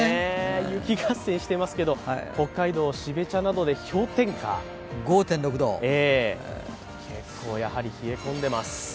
雪合戦していますが、北海道・標茶などで氷点下５．６度結構、冷え込んでます。